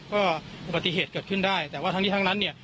ก็อุบัติเหตุเกิดขึ้นได้แต่ว่าทั้งนี้ทั้งนั้นเนี่ย